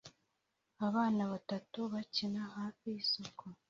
abana batatu bakina hafi yisoko